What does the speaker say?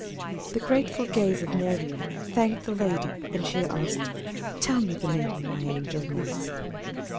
The grateful gaze of Marian thanked the lady, and she asked: "Tell me the name of my angel nurse."